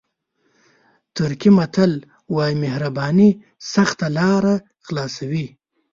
ترکي متل وایي مهرباني سخته لاره خلاصوي.